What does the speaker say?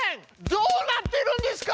どうなってるんですか！？